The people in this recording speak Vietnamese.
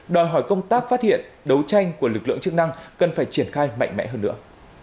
đòi hỏi công tác phát hiện đấu tranh của lực lượng chức năng cần phải triển khai mạnh mẽ hơn nữa